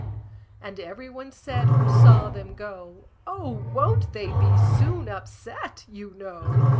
And every one said who saw them go, "Oh! won't they be soon upset, you know?